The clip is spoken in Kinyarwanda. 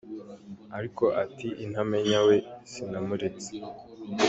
Ariko ati “intamenya we, sinamuretse”.